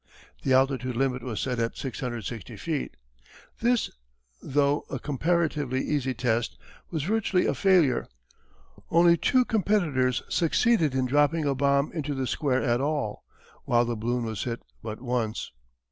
The altitude limit was set at 660 feet. This, though a comparatively easy test, was virtually a failure. Only two competitors succeeded in dropping a bomb into the square at all, while the balloon was hit but once.